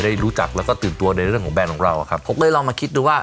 มาจากสวนจริงหรือเปล่า